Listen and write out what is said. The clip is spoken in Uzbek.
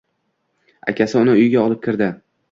Akasi uni uyga olib kirdi